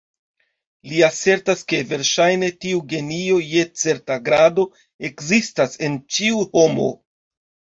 Li asertas, ke, verŝajne, tiu genio je certa grado ekzistas en ĉiu homo.